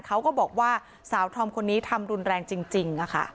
เขาก็บอกว่าสาวธอมคนนี้ทำรุนแรงจริง